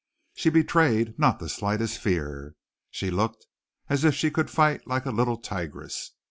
She betrayed not the slightest fear. She looked as if she could fight like a little tigress.